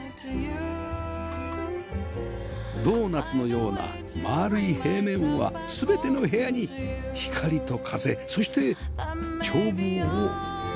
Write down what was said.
ドーナツのようなまるい平面は全ての部屋に光と風そして眺望をもたらします